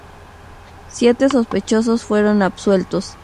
Siete sospechosos fueron absueltos.